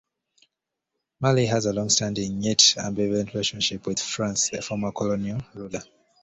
Mali has a longstanding yet ambivalent relationship with France, a former colonial ruler.